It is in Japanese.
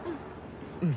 うん。